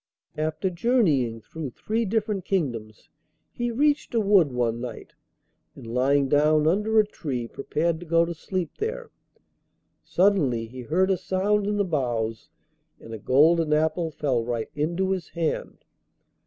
After journeying through three different kingdoms he reached a wood one night, and lying down under a tree prepared to go to sleep there. Suddenly he heard a sound in the boughs, and a golden apple fell right into his hand.